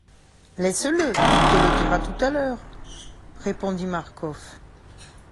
Laisse-le ! il te le dira tout à l'heure, répondit Marcof.